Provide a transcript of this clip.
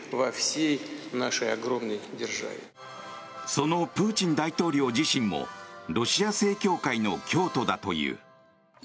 そのプーチン大統領自身もロシア正教会の教徒だという。